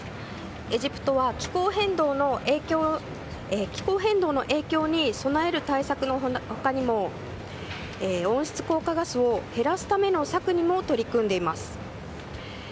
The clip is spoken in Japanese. エジプトは気候変動の影響に備える対策の他にも温室効果ガスを減らすための策にも取り組んでいます。